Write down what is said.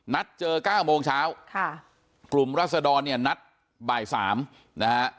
นัดเจอเก้าโมงเช้าค่ะกลุ่มรัศดรเนี่ยนัดบ่ายสามนะฮะ